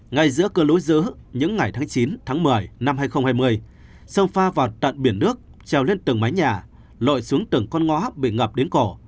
ngay giữa cơ lũ dữ những ngày tháng chín tháng một mươi năm hai nghìn hai mươi sông pha vào tận biển nước treo lên từng mái nhà lội xuống từng con ngõ bị ngập đến cổ